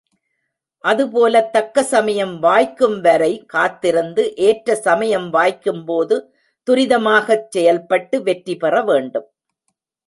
அதுபோலத் தக்க சமயம் வாய்க்கும்வரை காத்திருந்து ஏற்ற சமயம் வாய்க்கும் போது துரிதமாகச் செயல்பட்டு வெற்றி பெறவேண்டும்.